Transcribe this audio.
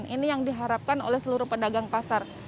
ini yang diharapkan oleh seluruh pedagang pasar